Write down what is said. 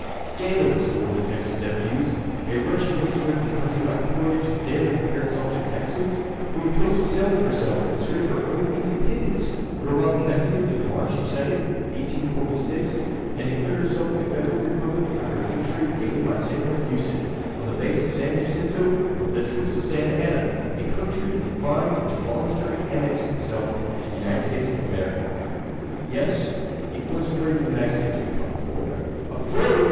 "Scandalous!" roared the Texas deputies. "A wretched little strip of country like Florida to dare to compare itself to Texas, who, in place of selling herself, asserted her own independence, drove out the Mexicans in March 2, 1846, and declared herself a federal republic after the victory gained by Samuel Houston, on the banks of the San Jacinto, over the troops of Santa Anna!—a country, in fine, which voluntarily annexed itself to the United States of America!" "Yes; because it was afraid of the Mexicans!" replied Florida. "Afraid!"